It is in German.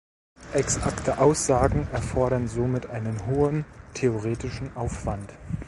Exakte Aussagen erfordern somit einen hohen theoretischen Aufwand.